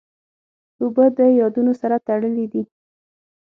اوبه د یادونو سره تړلې دي.